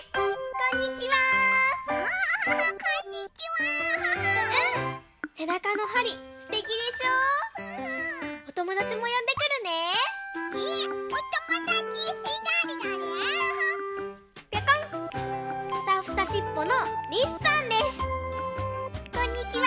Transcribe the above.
こんにちは。